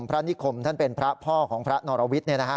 นิคมท่านเป็นพระพ่อของพระนรวิทย์